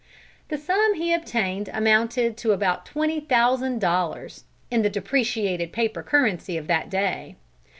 The sum he obtained amounted to about twenty thousand dollars, in the depreciated paper currency of that day.